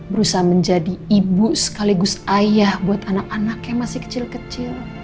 berusaha menjadi ibu sekaligus ayah buat anak anak yang masih kecil kecil